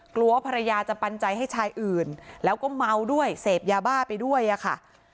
กลัวว่าภรรยาจะปันใจให้ชายอื่นแล้วก็เมาด้วยเสพยาบ้าไปด้วยอะค่ะ